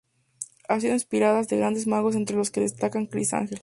Ha sido inspiración de grandes magos entre los que destaca Criss Angel.